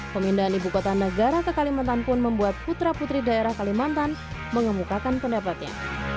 pemindahan ibu kota negara ke kalimantan pun membuat putra putri daerah kalimantan mengemukakan pendapatnya